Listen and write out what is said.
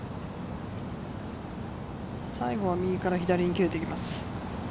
最後は右から左に切れていきます。